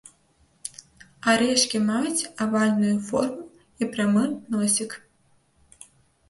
Арэшкі маюць авальную форму і прамы носік.